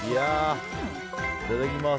いただきます。